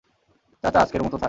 চাচা, আজকের মতো থাক।